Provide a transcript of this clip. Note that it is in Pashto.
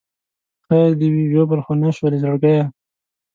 خیر دې وي ژوبل خو نه شولې زړګیه.